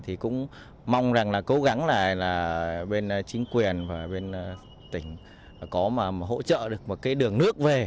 thì cũng mong rằng là cố gắng là bên chính quyền và bên tỉnh có mà hỗ trợ được một cái đường nước về